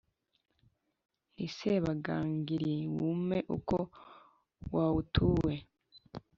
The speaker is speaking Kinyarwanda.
Nti: "Sebagangali wumpe uko wawutuwe,